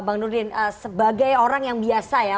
bang nurdin sebagai orang yang biasa ya